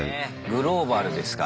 グローバルですからね。